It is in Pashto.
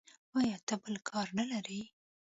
ایا ته بل کار نه لرې.